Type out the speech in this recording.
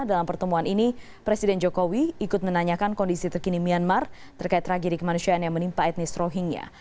dalam pertemuan ini presiden jokowi ikut menanyakan kondisi terkini myanmar terkait tragedi kemanusiaan yang menimpa etnis rohingya